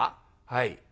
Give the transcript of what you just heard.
「はい」。